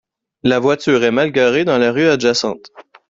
La voiture est mal garée dans la rue adjacente